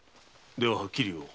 はっきり言おう。